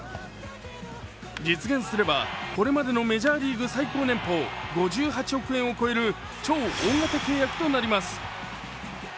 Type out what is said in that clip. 実現すればこれまでのメジャーリーグ最高年俸５８億円を超える超大型契約となります。